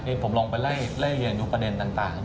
เดี๋ยวผมลองไปไล่เรียนอยู่ประเด็นต่าง